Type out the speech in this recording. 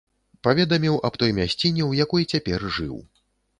Паведаміў аб той мясціне, у якой цяпер жыў.